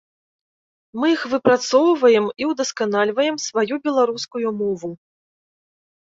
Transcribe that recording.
Мы іх выпрацоўваем і ўдасканальваем сваю беларускую мову.